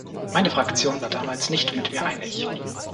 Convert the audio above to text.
Meine Fraktion war damals nicht mit mir einig.